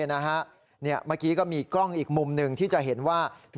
เมื่อกี้ก็มีกล้องอีกมุมหนึ่งที่จะเห็นว่า